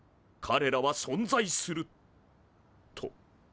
かれらは存在すると。